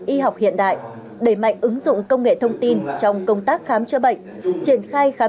y học hiện đại đẩy mạnh ứng dụng công nghệ thông tin trong công tác khám chữa bệnh triển khai khám